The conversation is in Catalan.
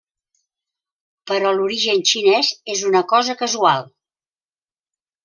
Però l'origen xinès és una cosa casual.